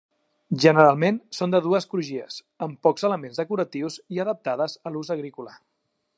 Generalment són de dues crugies, amb pocs elements decoratius i adaptades a l'ús agrícola.